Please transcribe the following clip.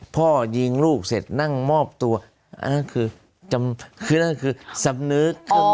พ่อยิงลูกเสร็จนั่งมอบตัวคือนั่นคือสำนึก